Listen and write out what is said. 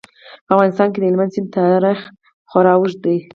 دوکاندار له خپل سامان نه دفاع کوي.